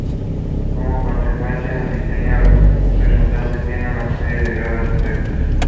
Como consecuencia, el diseño resultante tenía una serie de graves defectos.